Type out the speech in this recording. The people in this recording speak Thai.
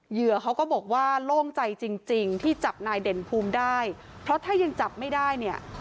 เหยื่อเขาก็บอกว่าโล่งใจจริงจริงที่จับนายเด่นภูมิได้เพราะถ้ายังจับไม่ได้เนี่ย